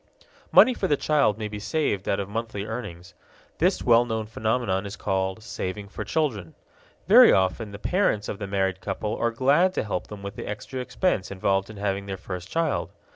Money for the child may be saved out of monthly earnings. This well known phenomenon is called saving for children. Very often the parents of the married couple are glad to help them with the extra expense involved in having their first child.